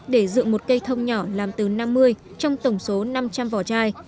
để dựng một cây thông nhỏ làm từ năm mươi trong tổng số năm trăm linh vỏ chai